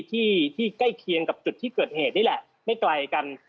ที่ที่ใกล้เคียงกับจุดที่เกิดเหตุนี่แหละไม่ไกลกัน